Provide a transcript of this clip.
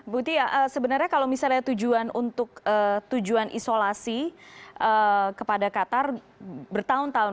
bu tia sebenarnya kalau misalnya tujuan untuk tujuan isolasi kepada qatar bertahun tahun